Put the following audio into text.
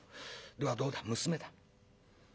ではどうだ娘だ。